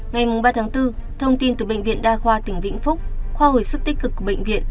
ngày ba bốn thông tin từ bệnh viện đa khoa tỉnh vĩnh phúc khoa hồi sức tích cực của bệnh viện